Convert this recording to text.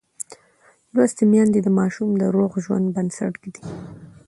لوستې میندې د ماشوم د روغ ژوند بنسټ ږدي.